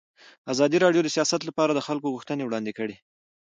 ازادي راډیو د سیاست لپاره د خلکو غوښتنې وړاندې کړي.